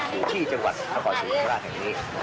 อยู่ที่จังหวัดข้อสูตรสินธราชแห่งนี้